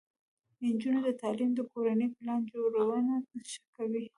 د نجونو تعلیم د کورنۍ پلان جوړونه ښه کوي.